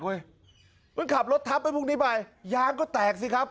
คุณขับรถทับไปพรุ่งนี้ไปยางก็แตกสิครับ